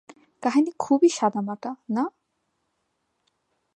কাহিনী খুবই সাদামাটা না?